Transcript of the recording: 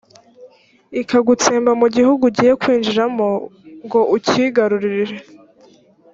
ikagutsemba mu gihugu ugiye kwinjiramo ngo ukigarurire.